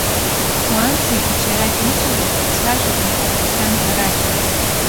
Уаанӡагьы џьарак-ҩыџьара ицәажәо иаҳақәахьан арадио.